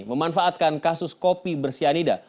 memanfaatkan kasus kopi bersianida